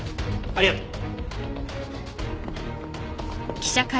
ありがとう。